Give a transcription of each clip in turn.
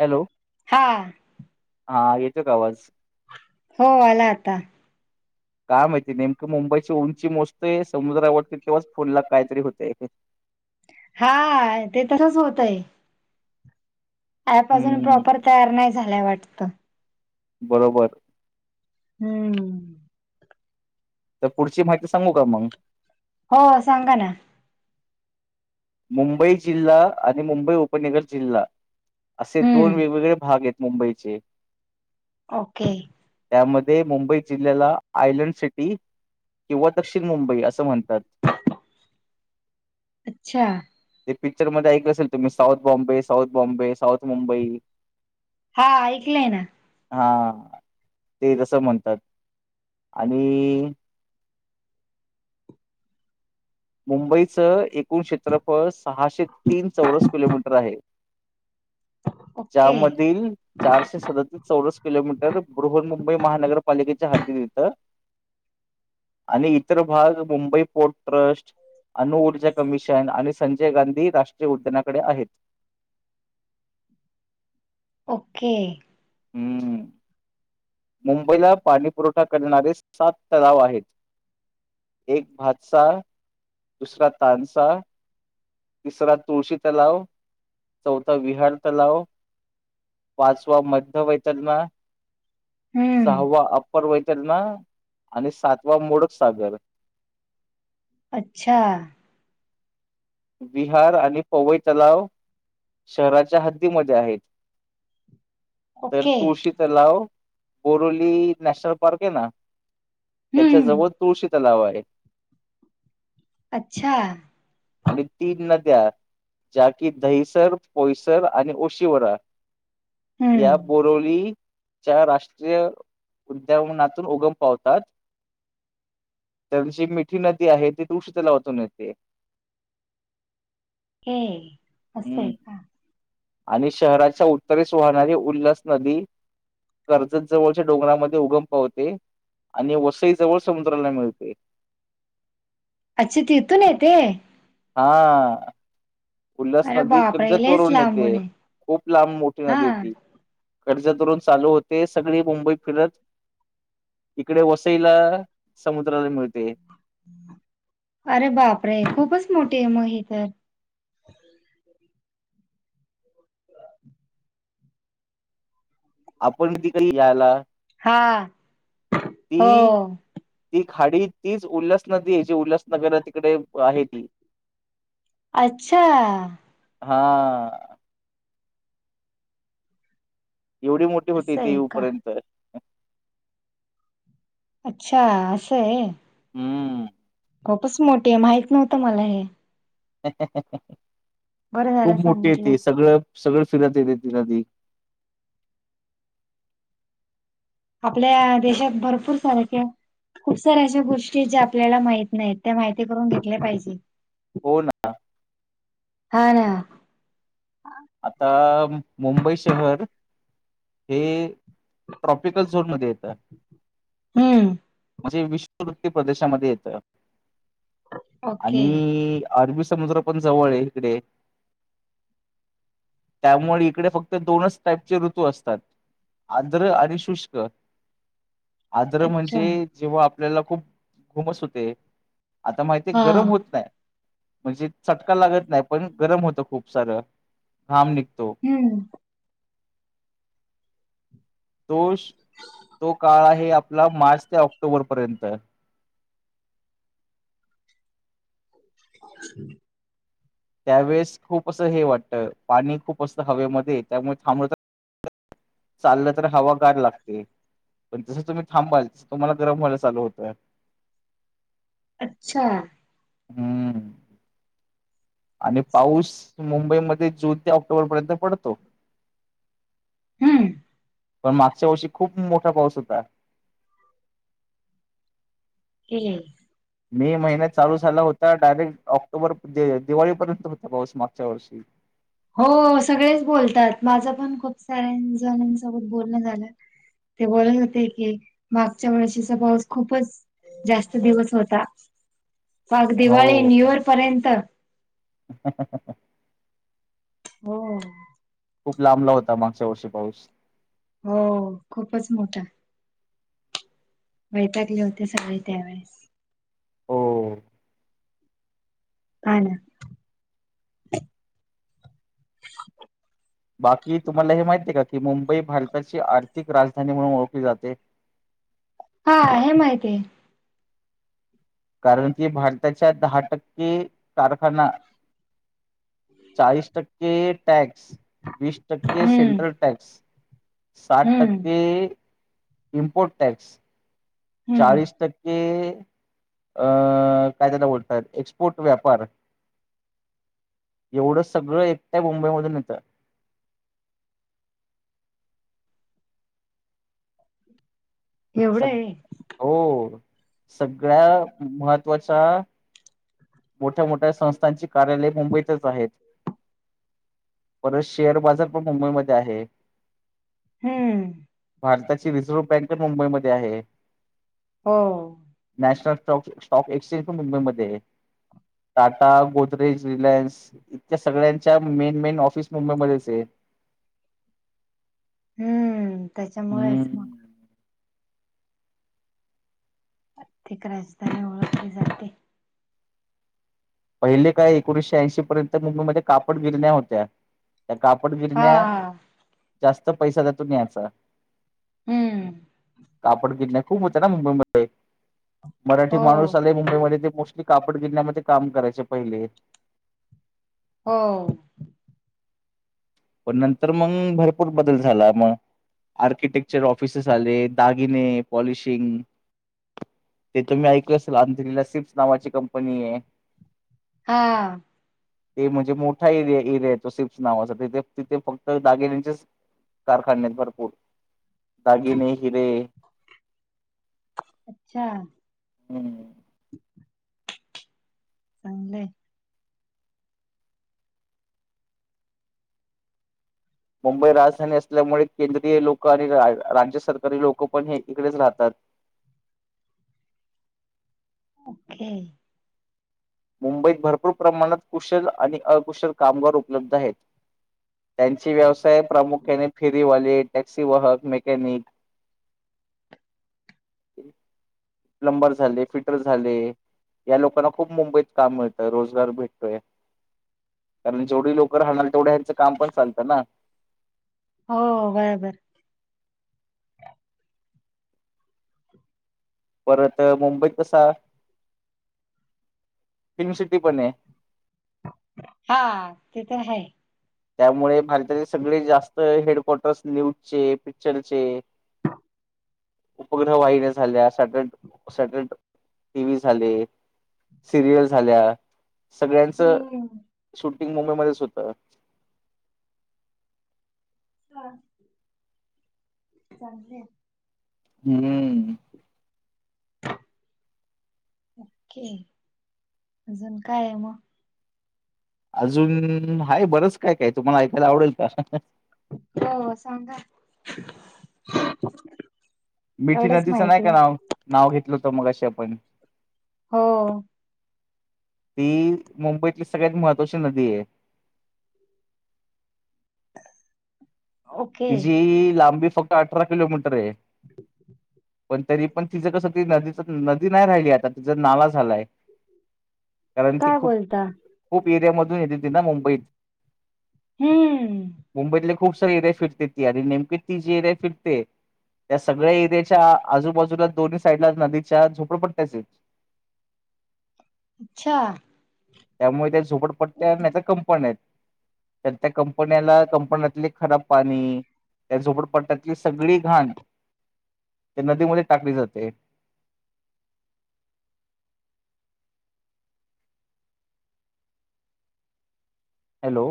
Hello हा हा येतोय का आवाज? हो आला आता [inaudible] काय माहिती नेमकं मुंबईची उंची मोस्ते समुद्रावरती तेव्हाच फोनला कायतरी होतंय. हा ते तरच होतय. ॲप अजून हम्म, प्रॉपर तयार नाय झाल्याय वाटत. बरोबर. हम्म. तर पुढची माहिती सांगू का मंग? हो सांगा ना. मुंबई जिल्हा आणि मुंबई उपनगर जिल्हा असे दोन हम्म वेगवेगळे भाग येत मुंबईचे. ओके. त्यामध्ये मुंबई जिल्ह्याला आयलंड सिटी किंवा दक्षिण मुंबई असं म्हणतात. अच्छा. ते पिक्चर मध्ये ऐकलं असेल तुम्ही south Bombay, south Bombay, south Mumbai. हा ऐकलंय ना. हा ते तसं म्हणतात आणि मुंबईचं एकूण क्षेत्रफळ सहाशे तीन चौरस किलोमीटर आहे. ओके च्यामधील चारशे सदतीस चौरस किलोमीटर बृहनमुंबई महानगरपालिकेच्या हाद्दीत येतं. आणि इतर भाग मुंबई पोर्ट ट्रस्ट अणुऊर्जा कमिशन आणि संजय गांधी राष्ट्रीय उद्यानाकडे आहेत. ओके. हम्म. मुंबईला पाणी पुरवठा करणारे सात तलाव आहेत. एक भातसा दुसरा तानसा तिसरा तुळशी तलाव चौथा विहार तलाव पाचवा मध्य वैतलमा हम्म सहावा अप्पर वैतलणा आणि सातवा मोडक सागर अच्छा विहार आणि पवई तलाव शहराच्या हद्दीमध्ये आहेत. तर ओके तुळशीच लाव बोरोली नॅशनल पार्क ये ना त्याच्या हम्म जवळ तुळशी तलाव आहे. अच्छा आणि तीन नद्या ज्या कि दहिसर, पोईसर आणि ओशिवरा हम्म या बोरोवली च्या राष्ट्रीय उद्याउनातून उगम पावतात. त्या दिशेन एक मिठी नदी आहे. ती तुळशी तलावातून येते. हे. असं हम्म. आहे का आणि शहराच्या उत्तरेस वाहणारी उल्हास नदी कर्जत जवळच्या डोंगरामध्ये, उगम पावते. आणि वसई जवळ, समुद्राला मिळते. अच्छा तिथून येते. हा. उल्हास अरे नदी बापरे कर्जत लयच वरून येते. लांबून आहे खूप लांब, मोठी हा नदीये ती. कर्जत वरून चालू होते. सगळी मुंबईत फिरत. इकडे वसईला. समुद्राला मिळते. अरे बाप रे. खूपच मोठी आहे म ही तर. हो [inaudible] आपण त काही या्यायला [unintelligible] हा. हो. ती खाडी. तीच उल्हास नदीये. जी उल्हासनगर तिकडे आहे ती. अच्छा. हा. एवढी मोठी होते. असं इथे आहे का येऊपर्यंत. अच्छा, असंये. हम्म. खूपच मोठीये. माहित नव्हतं मला हे. बरं झालं खूप मोठीये सांगितलं ती. सगळं सगळं फिरत येते ती नदी. आपल्या देशात. भरपूर सारखे खूप साऱ्या अशा गोष्टीये. ज्या आपल्याला माहित नाहीत. त्या माहिती करून घेतल्या पाहिजे. हो ना. हा ना. आता, मुंबई शहर हे ट्रॉपिकल झोन मध्ये येतं. हम्म. म्हणजे विश्ववृत्ती प्रदेशामध्ये येत. ओके आणि अरबी समुद्र पण जवळे. इकडे. त्यामुळे इकडे फक्त, दोनच टाईपचे ऋतू असतात. आंध्र आणि शुष्क. आद्र अच्छा म्हणजे, जेव्हा आपल्याला. खूप घुमस होते. आता माहिते. हा गरम होत नाही. म्हणजे चटका लागत नाही. पण गरम होतं खूप सारं. घाम निघतो. हम्म. तो, तो काळ आहे आपला, मार्च ते ऑक्टोबर पर्यंत. [unintelligible] त्यावेळेस खूप असं हे वाटत. पाणी खूप असतं हवेमध्ये. त्यामुळे थांबत चाललं. तर हवा गार लागते. जसं तुम्ही थांबाल. तसं तुम्हाला गरम व्हायला चालू होतं. अच्छा. हम्म. आणि पाऊस मुंबईमध्ये. जून ते ऑक्टोबर पर्यंत पडतो. हम्म. पण मागच्या वर्षी खूप मोठा पाऊस होता. हम्म मे महिन्यात चालू झाला होता डायरेक्ट ऑक्टोबर दिवाळीपर्यंत होता पाऊस मागच्या वर्षी हो सगळेच बोलतात माझं पण खूप साऱ्या जणांसोबत बोलणं झालं. ते बोलत होते की मागच्या वर्षीचा पाऊस खूपच जास्त दिवस होता. मग दिवाळी न्यू इयर पर्यंत ह ह ह ह ह हो. खूप लांबला होता मागच्या वर्षी पाऊस हो खूपच मोठा वैताकले होते सगळे त्यावेळेस होओ. नाही. बाकी तुम्हाला हे माहिती आहे का, की 'मुंबई भारताची आर्थिक राजधानी म्हणून ओळखली जाते'. हा हे माहितीय. कारण की भारताच्या दहा टक्के कारखाना चाळीस टक्के टॅक्स वीस टक्के हम्म सेंट्रल टॅक्स साठ हम्म टक्के इम्पोर्ट टॅक्स हम्म चाळीस टक्के अं काय त्याला बोलतात एक्सपोर्ट व्यापार एवढं सगळं एकट्या मुंबईमधून येतं. एवढं सग आहे. हो सगळ्या महत्वाच्या मोठ्या मोठ्या संस्थांची कार्यालय मुंबईतच आहेत. परत शेअर बाजार पण मुंबईमध्ये आहे. हम्म भारताची रिझर्व्ह बँक मुंबईमध्ये आहे. हो. नॅशनल स्टॉक स्टॉक एक्सचेंज पण मुंबईमध्ये आहे. टाटा, गोदरेज, रिलायन्स इतक्या सगळ्यांच्या मेन, मेन ऑफिस मुंबईमध्येच आहे. हम्म हम्म. त्याच्यामुळेच मग आर्थिक राजधानी ओळखली जाते. पहिले काय एकोणीसशे ऐंशी पर्यंत मुंबईमध्ये कापड गिरण्या होत्या. त्या कापड हा गिरण्या जास्त पैसा त्यातून मिळायचा. हम्म. कापड गिरण्या खूप होत्या ना मुंबईमध्ये, मराठी हो माणूस आले मुंबईमध्ये ते कापड गिरण्यामध्ये काम करायचे पहिले हो. पण नंतर मग भरपूर बदल झाला मग आर्किटेक्चर ऑफिसेस आले. दागिने, पॉलिशिंग ते तुम्ही ऐकले असेल, अंंतरीला स्लिप्स नावाची कंपनी आहे. हा. ते म्हणजे मोठा एरिया एरिया येतो सिप्स नावाचा तिथे तिथे फक्त दागिण्यांचेच कारखाने आहेत भरपूर दागिने, हिरे अच्छा हम्म चांगले आहे. मुंबई राजधानी असल्यामुळे केंद्रीय लोक आणि राज्य सरकारी लोक पण हे इकडेच राहतात. ओके मुंबईत भरपूर प्रमाणात कुशल आणि अकुशल कामगार उपलब्ध आहेत. त्यांचे व्यवसाय प्रामुख्याने फेरीवाले, टॅक्सी-वाहक, मेकॅनिक प्लंबर झाले, फिटर झाले, या लोकांना खूप मुंबईत काम मिळतं, रोजगार भेटतोय, कारण जेवढी लोकं राहणारी आहेत तेवढ्या चं काम पण चालतं ना? हो, बरोबर. परत मुंबईत कसं... फिल्मसिटी पण आहे. हा, तिथं आहे. त्यामुळे भारताचे सगळे जास्त हेडक्वाटर्स न्यूजचे, पिक्चरचे [inaudible] उपग्रह वाहिन्या झाल्या, सटरिट-सॅटॅरीट टी-व्ही झाले. सिरियल झाल्या, सगळ्यांचं हम्म शूटिंग मुंबईमध्येच होतं. [inaudible] चांगले आहेत. हम्म. ओके, अजून काय आहे मग? अजून.. आहे, बरंच काय काय, तुम्हाला ऐकायला आवडेल का? हो, सांगा. मिठी एवढंच नदीचं नाही माहिती का नाव? नाव घेतलं होतं मगाशी आपण. हो. ती मुंबईतली सगळ्यात महत्त्वाची नदी आहे. ओके तिची लांबी फक्त अठरा किलोमीटर आहे. [inaudible] पण तरी पण, तिचं कसं ते, नदीचं, नदी नाही राहिली आता, तिचा नाला झालाय. कारण ती काय खूप, बोलता? खूप एरिया मधून येते ती ना मुंबईत. हम्म. मुंबईतल्या खूप साऱ्या एरियात फिरते ती, आणि नेमकी ती ज्या एरियात फिरते या सगळ्या एरियाच्या आजूबाजूला दोन्ही साईडला नदीच्या झोपडपट्ट्याच आहेत. अच्छा! त्यामुळे त्या झोपडपट्ट्या आहेत, नाहीतर कंपन्या आहेत. तर त्या कंपन्याला, कंपन्यातले खराब पाणी त्या झोपडपट्ट्यातली सगळी घाण त्या नदीमध्येच टाकली जाते. हॅलो!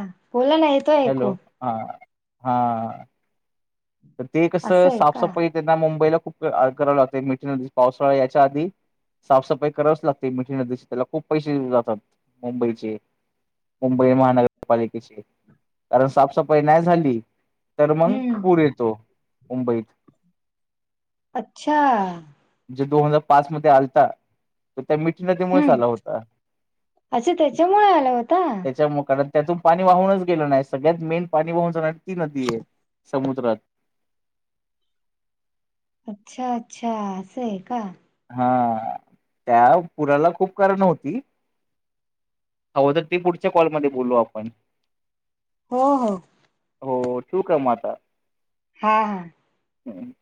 हा, बोलला नाहीत. हॅलो, हा, हा. तर ते कसं, असं आहे का? साफसफाई त्यांना मुंबईला खूप करावी लागते मिठी नदीची, पावसाळा यायच्या आधी. साफसफाई करावीच लागते मिठी नदीची, त्याला खूप पैसे जातात मुंबईचे. मुंबई महानगरपालिकेचे, कारण साफसफाई नाही झाली तर मग, हम्म पूर येतो मुंबईत. अच्छा! जे दोन हजार पाच मध्ये आलता. तो त्या मिठी नदीमुळेच हम्म आला होता, अच्छा त्याच्यामुळे आला होता. त्याच्या मुळे कारण त्यातून पाणी वाहूनच गेलं नाही, सगळ्यात मेन पाणी वाहून जाणारी ती नदी आहे, समुद्रात. अच्छा, अच्छा! असं आहे का? हा, त्या पुराला खुप कारणं होती. हवं तर, ते पुढच्या कॉलमध्ये बोलू आपण. हो, हो. हो, ठेऊ का मग आता? हा-हा. [inaudible]